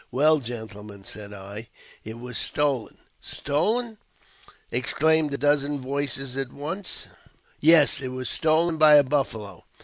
" Well, gentlemen," said I, "it was stolen." " Stolen !" exclaimed a dozen voices at once. " Yes, it was stolen by a buffalo."